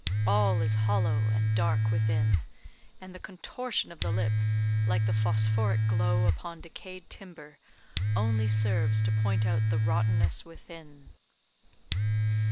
All is hollow and dark within; and the contortion of the lip, like the phosophoric glow upon decayed timber, only serves to point out the rotteness within."